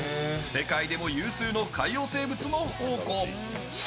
世界でも有数の海洋生物の宝庫。